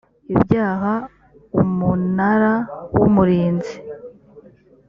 ibyaha umunara w umurinzi